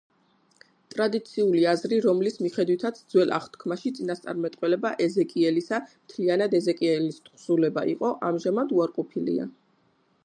ტრადიციული აზრი, რომლის მიხედვითაც ძველ აღთქმაში „წინასწარმეტყველება ეზეკიელისა“ მთლიანად ეზეკიელის თხზულება იყო, ამჟამად უარყოფილია.